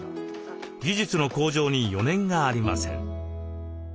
技術の向上に余念がありません。